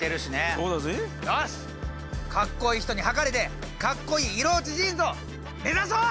かっこいい人にはかれてかっこいい色落ちジーンズを目指そう！